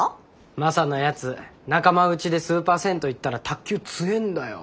マサのやつ仲間うちでスーパー銭湯行ったら卓球強んだよ。